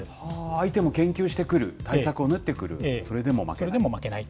相手も研究してくる、対策を練ってくる、それでも負けない。